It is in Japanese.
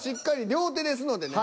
両手ですのでね